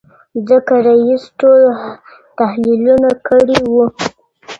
ځکه رییس ټول تحلیلونه کړي وو.